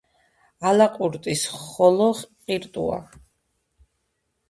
ალაყურტის ხოლო ყირტუა